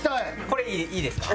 これいいですか？